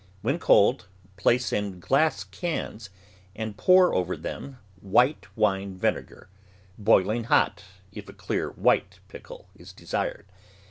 When cold, place in glass cans and pour over them white wine vinegar, boiling hot, if a clear, white pickle is desired.